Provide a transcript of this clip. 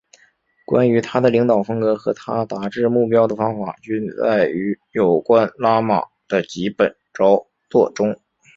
关于他的领导风格和他达至目标的方法均载于有关拉玛的几本着作中。